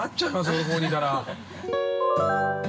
俺、ここにいたら。